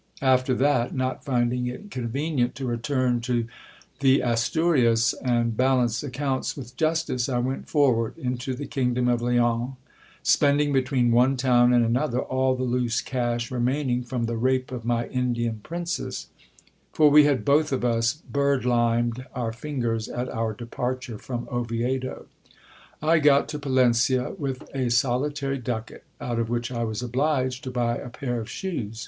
After that, not finding it convenient to return to the Asturias and balance accounts with justice, I went forward into the kingdom of Leon, spending between one town I another all the loose cash remaining from the rape of my Indian princess ; ad both of us birdlimed our fingers at our departure from Oviedo. I got to Palencia with a solitary ducat, out of which I was obliged to buy a pair 38 GIL BLAS. of shoes.